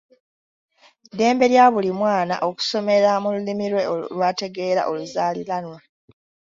Ddembe lya buli mwana okusomera mu Lulimi lwe lw’ategeera oluzaalilanwa.